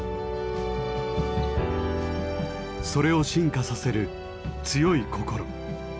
それを進化させる強い心。